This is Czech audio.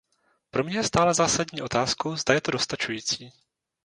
Pro mě je stále zásadní otázkou, zda je to dostačující.